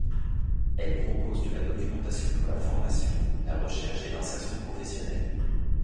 Elles proposent de la documentation pour la formation, la recherche et l'insertion professionnelle.